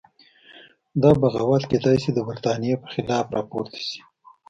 دا بغاوت کېدای شي د برتانیې په خلاف راپورته شي.